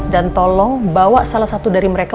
dan tolong bawa salah satu dari mereka